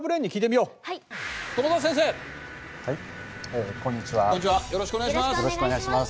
よろしくお願いします。